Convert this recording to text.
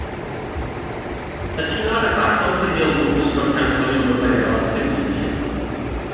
A quina hora passa el primer autobús per Sant Feliu de Pallerols diumenge?